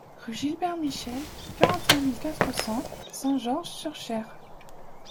Rue Gilbert Michel, quarante et un mille quatre cents Saint-Georges-sur-Cher